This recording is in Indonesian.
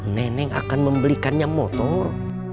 nenek akan membelikannya motor